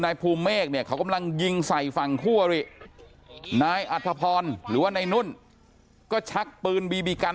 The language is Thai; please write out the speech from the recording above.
นายภูเมฆเนี่ยเขากำลังยิงใส่ฝั่งคู่อรินายอัธพรหรือว่านายนุ่นก็ชักปืนบีบีกัน